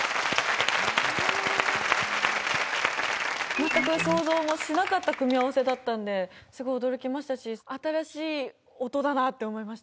全く想像もしなかった組み合わせだったんで、すごい驚きましたし、新しい音だなって思いまし